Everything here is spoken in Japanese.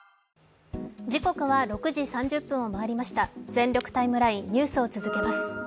「全力ＴＩＭＥライン」、ニュースを続けます。